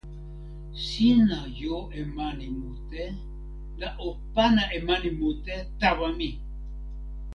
sina jo e mani mute, la o pana e mani mute tawa mi!